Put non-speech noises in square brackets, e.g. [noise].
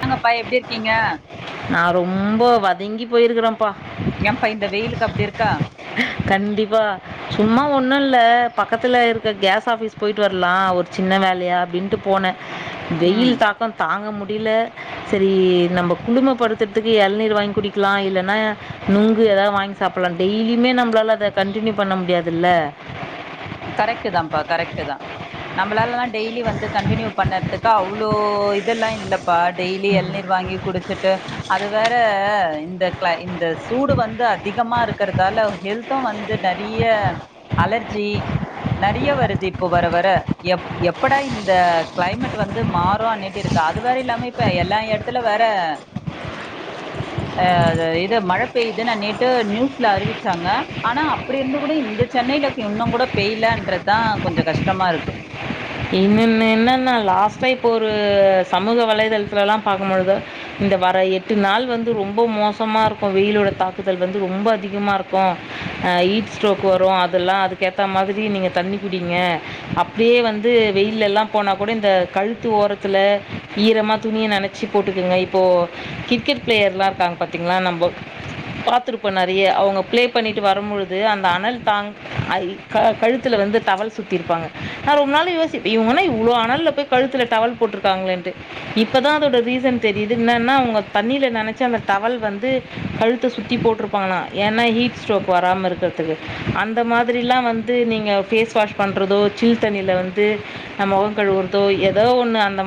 வாங்கப்பா எப்டி இருக்கீங்க நா ரொம்ப வதங்கி போயிருக்கிறேன்ப்பா ஏப்பா இந்த வெயிலுக்கு அப்டி இருக்கா கண்டிப்பா சும்மா ஒண்ணு இல்ல பக்கத்துல இருக்க கேஸ் ஆபிஸ் போயிட்டு வரலா ஒரு சின்ன வேலையா அப்டிண்ட்டு போனே ம் வெயில் தாக்கோ தாங்க முடில செரி நம்ம குளும்மப்படுத்துறதுக்கு எளநீர் வாங்கி குடிக்கலா இல்லன்னா நொங்கு ஏதாவது வாங்கி சாப்டலா டெய்லியுமே நம்ளால்ல அத கண்டினியூ பண்ண முடியாதுல்ல கரெக்ட்டு தாபா கரெக்ட்டு தா நம்மளாலல்லா டெய்லி வந்து கண்டினியூ பண்ணறதுக்கு அவ்ளோ இதெல்லா இல்ல அப்பா டெய்லி எளநீர் வாங்கி குடிச்சிட்டு அது வேற இந்த க இந்த சூடு வந்து அதிகமா இருக்கறதால ஹெல்த் பித்தோ வந்து நெறைய அலர்ஜி நெறைய வருது இப்ப வர வர எப் எப்படா இந்த கெளைமேட் வந்து மாறு அன்னிட்டு இருக்கு அதுவேற இல்லாம இப்ப எல்லா எடத்துல வேற [inaudible] ஆ இது மழை பெய்யுதுன்னு நேத்து நியூஸ்ல அறிவிச்சாங்க ஆனா அ அப்டி இருந்து கூட இந்த சென்னையில இன்னு கூட பெய்யலன்றதுதா கொஞ்சோ கஷ்டமா இருக்கு இன்ன இன்ன என்னென்னா லாஸ்ட்டா இப்போ ஒரு சமூக வலைதளத்துலா பாக்கு பொழுது இந்த வர எட்டு நாள் வந்து ரொம்ப மோசமா இருக்கு வெயிலோட தாக்குதல் வந்து ரொம்ப அதிகமா இருக் கோம் அ ஈட் ஸ்ட்ரோக் வரோ அதெல்லா அதுக்கேத்த மாதிரி நீங்க தண்ணி குடிங்க அப்டியே வந்து து வெயில் எல்லா போனா கூட இந்த கழுத்து ஓரத்துல ஈரமா துணிய நன ச்சி போட்டுக்குங்க இப்போ கிரிக்கெட் பிளேயர்லா இருக்காங்க பாத்தீங்ளா நம்போ பாத்திருப்போம் நெறைய அவங்க பிளே பண்ணிட்டு வரும்மொழுது அந்த அனல் தாங் ஐ க கழுத்துல வந்து டவல் சுத்தி இருப்பாங்க நா ரொம் நாள் யோசிப் இவங்க என்ன இவ்ளோ அனல்ல போய் கழுத்துல டவல் போட்ருக்காங்களேன்ட்டு இப்பதா அதோட ரீசன் தெரியுது இன்னன்னா அவங்க தண்ணில நெனச்சு அந்த டவல் வந்து கழுத்த சுத்தி போட்ருப் பாங்ளா ஏன்னா ஹீட் ஸ்ட்ரோக் வராம இருக்கற்துக்கு அந்த மாதிரிலா வந்து நீங்க ஃபேஸ் வாஷ் பண்றதோ சில் தண்ணில வந்து மொகம் கழுவுறதோ ஏதோ ஒன்னு அந்த மா